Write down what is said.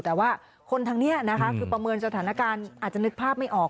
แต่ว่าคนทางนี้นะคะคือประเมินสถานการณ์อาจจะนึกภาพไม่ออก